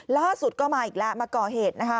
ล่าสุดก็มาอีกแล้วมาก่อเหตุนะคะ